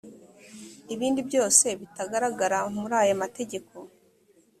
ibindi byose bitagaragara muri aya mategeko